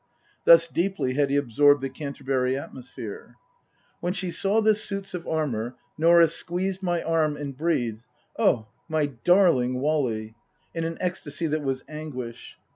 Thus deeply had he absorbed the Canterbury atmosphere. When she saw the suits of armour Norah squeezed my arm and breathed, " Oh my darling Wally !" in an ecstasy that was anguish.